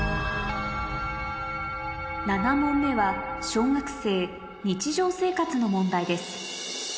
７問目は小学生の問題です